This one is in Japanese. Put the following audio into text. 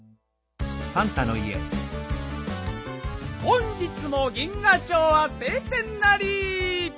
本日も銀河町はせい天なり！